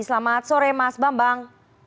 selamat sore mas bambang